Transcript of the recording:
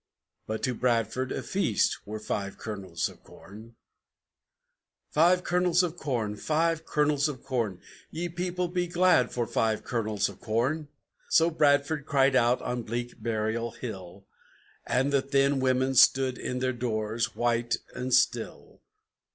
But to Bradford a feast were Five Kernels of Corn! II "Five Kernels of Corn! Five Kernels of Corn! Ye people, be glad for Five Kernels of Corn!" So Bradford cried out on bleak Burial Hill, And the thin women stood in their doors, white and still.